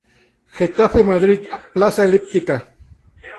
Getafe-Madrid plaza elíptica